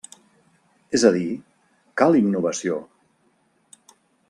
És a dir, cal innovació.